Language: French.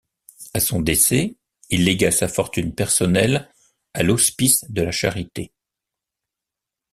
À son décès, il légua sa fortune personnelle à l'Hospice de la Charité.